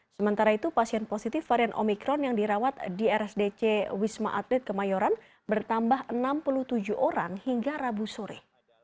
sementara itu pasien positif varian omikron yang dirawat di rsdc wisma atlet kemayoran bertambah enam puluh tujuh orang hingga rabu sore